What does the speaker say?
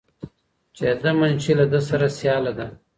چې د ده منشي له ده سره سیاله ده.